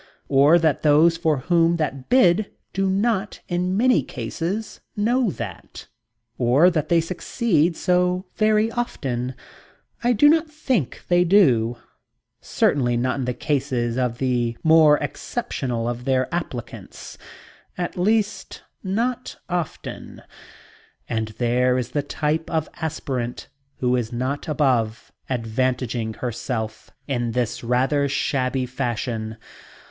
Or, that those for whom that bid do not, in many cases, know that. Or, that they succeed so very often. I do not think they do certainly not in the cases of the more exceptional of their applicants at least, not often. Yet notwithstanding, there is this type of overture about. And there is the type of aspirant who is not above advantaging herself in this rather shabby fashion.